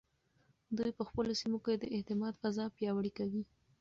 دوی په خپلو سیمو کې د اعتماد فضا پیاوړې کوي.